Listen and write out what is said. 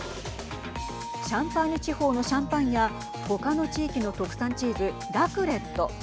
シャンパーニュ地方のシャンパンや他の地域の特産チーズラクレット。